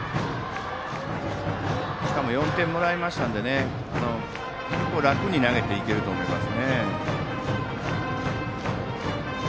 しかも４点もらいましたので結構、楽に投げていけると思いますね。